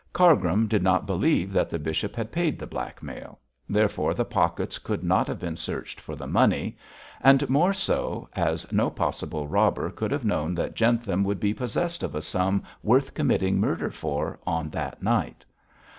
Cargrim did not believe that the bishop had paid the blackmail, therefore the pockets could not have been searched for the money; the more so, as no possible robber could have known that Jentham would be possessed of a sum worth committing murder for on that night.